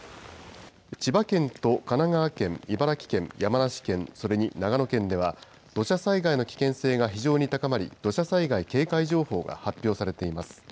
千葉県と神奈川県、茨城県、山梨県、それに長野県では、土砂災害の危険性が非常に高まり、土砂災害警戒情報が発表されています。